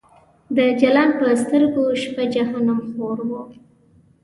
د جلان په سترګو شپه جهنم خور و